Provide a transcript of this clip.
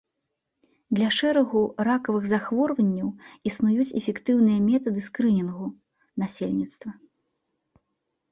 Для шэрагу ракавых захворванняў існуюць эфектыўныя метады скрынінгу насельніцтва.